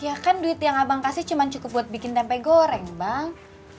ya kan duit yang abang kasih cuma cukup buat bikin tempe goreng bang